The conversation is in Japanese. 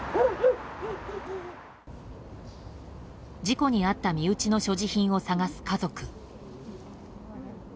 事故に遭った身内の所持品を探す家族。